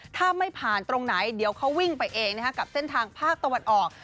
ถ้าไม่ผ่านตรงไหนเดี๋ยวเขาวิ่งไปเองกับเส้นทางภาคตะวันออก